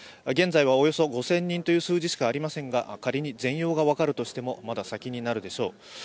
現在はおよそ５０００人という数字しかありませんが仮に全容が分かるとしてもまだ先になるでしょう。